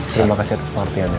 terima kasih atas pengertiannya